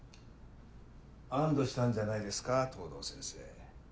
安堵したんじゃないですか藤堂先生。